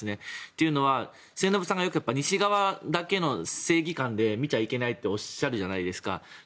というのは末延さんがよく西側だけの正義感で見てはいけないとおっしゃるじゃないですか。